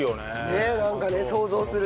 ねえなんかね想像するに。